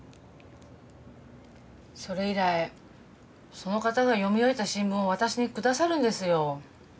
それ以来その方が読み終えた新聞を私に下さるんですよ。